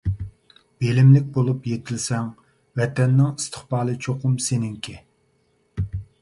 بىلىملىك بولۇپ يېتىلسەڭ، ۋەتەننىڭ ئىستىقبالى چوقۇم سېنىڭكى!